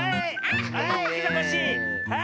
はい！